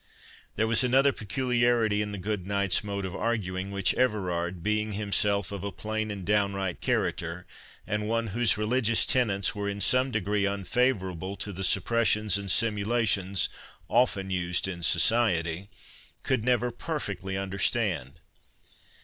There was another peculiarity in the good knight's mode of arguing, which Everard, being himself of a plain and downright character, and one whose religious tenets were in some degree unfavourable to the suppressions and simulations often used in society, could never perfectly understand.